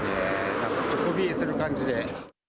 なんか底冷えする感じで。